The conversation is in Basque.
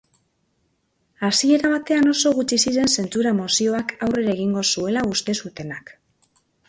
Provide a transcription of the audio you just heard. Hasiera batean, oso gutxi ziren zentsura-mozioak aurrera egingo zuela uste zutenak.